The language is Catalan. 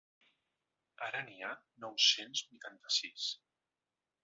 Ara n’hi ha nou-cents vuitanta-sis.